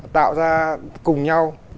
tạo ra cùng nhau